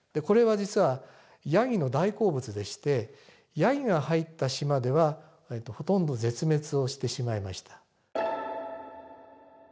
これは実はヤギの大好物でしてヤギが入った島ではほとんど絶滅をしてしまいました。